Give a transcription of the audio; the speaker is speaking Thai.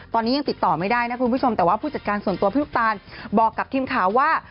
ตอนนี้ยังติดต่อไม่ได้นะคุณผู้ชมแต่ว่าผู้จัดการส่วนตัวพี่ลูกตาลบอกกับทีมข่าวว่า